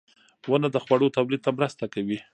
• ونه د خوړو تولید ته مرسته کوي.